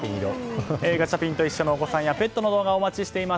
ガチャピンといっしょ！とお子さんやペットの動画をお待ちしております。